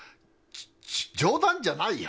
冗談じゃないよ！